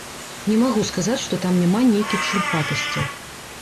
Не магу сказаць, што там няма нейкіх шурпатасцяў.